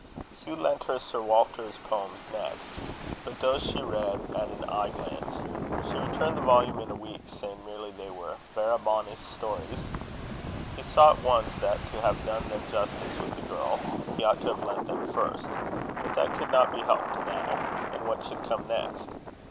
Hugh lent her Sir Walter's poems next, but those she read at an eye glance. She returned the volume in a week, saying merely, they were "verra bonnie stories." He saw at once that, to have done them justice with the girl, he ought to have lent them first. But that could not be helped now; and what should come next?